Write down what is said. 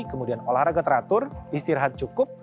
kemudian olahraga teratur istirahat cukup